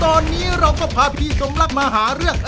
ตอนนี้เราก็พาพี่สำลักการณ์มาหาเรื่อง